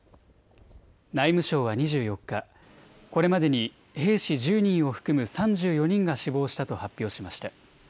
内務省は２４日、これまでに兵士１０人を含む３４人が死亡したと発表しました。